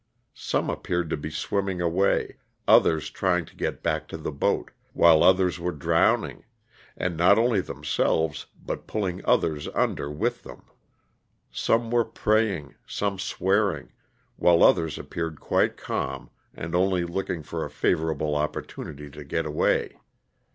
Some appeared to be swimming away, others trying to get back to the boat, while others were drowning, and not only themselves but pulling others under with them. Some wore praying, some swearing, while others appeared quite calm and only looking for a favorable opportunity to get away.